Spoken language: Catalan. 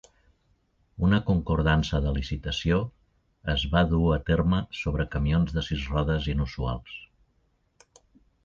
Una concordança de licitació es var dur a terme sobre camions de sis rodes inusuals.